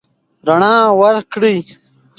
رڼا ورکړئ.